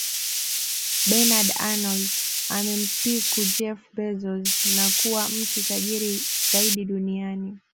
Bernard Arnault amempiku Jeff Bezos na kuwa mtu tajiri zaidi duniani